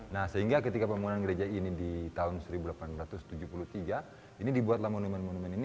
nah sehingga ketika pembangunan gereja ini di tahun seribu delapan ratus tujuh puluh tiga ini dibuatlah monumen monumen ini